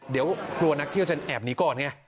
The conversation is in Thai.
เดี๋ยวกลัวนักเที่ยวจะแอบหนีก่อนไง